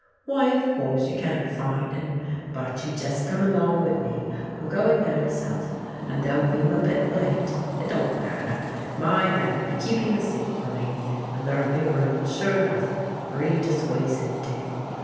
"Why, of course you can't find 'un. But you jes' come 'long wi' me. I'm going there meself, an' though we'm a bit late, it don't matter; my man'll be keeping a seat fur me, and ther'll be room, sure 'nough, for 'ee to squeeze in too.